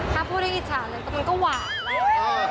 ครับพูดดีอิจฉาเลยมันก็หวานแรกอืม